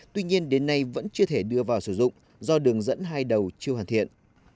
tuy nhiên đến nay vẫn chưa thể đưa vào sử dụng do đường dẫn hai đầu chưa hoàn thiện